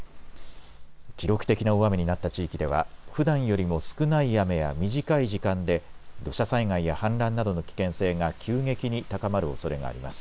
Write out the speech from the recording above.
記録的な大雨になった地域ではふだんよりも少ない雨や短い時間で土砂災害や氾濫などの危険性が急激に高まるおそれがあります。